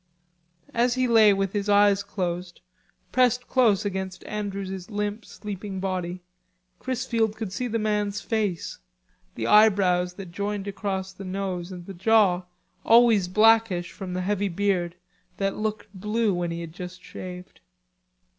As he lay with his eyes closed, pressed close against Andrew's limp sleeping body, Chrisfield could see the man's face, the eyebrows that joined across the nose and the jaw, always blackish from the heavy beard, that looked blue when he had just shaved.